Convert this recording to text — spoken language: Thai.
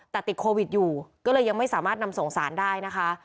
แต่ติดโควิดอยู่ก็เลยยังไม่สามารถนำส่งสารได้นะคะ